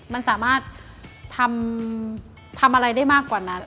มันสามารถทำอะไรได้มากกว่านั้น